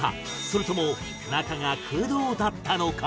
それとも中が空洞だったのか？